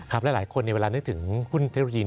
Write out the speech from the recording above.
และหลายคนเวลานึกถึงหุ้นเทคโนโลยี